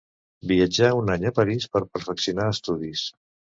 Viatjà un any a París per perfeccionar estudis.